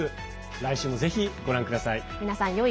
来週もぜひご覧ください。